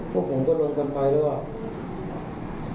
พวกผมก็ลงกันไปแล้ว